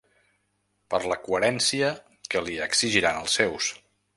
Per la coherència que li exigiran els seus.